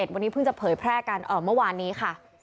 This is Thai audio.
วันนี้เพิ่งจะเผยแพร่กันเมื่อวานนี้ค่ะ